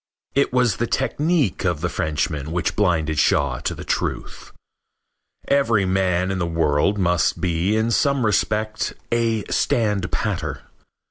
It was the technique of the Frenchman which blinded Shaw to the truth. Every man in the world must be in some respect a standpatter.